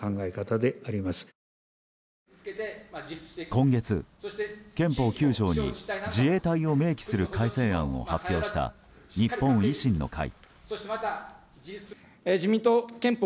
今月、憲法９条に自衛隊を明記する改正案を発表した日本維新の会。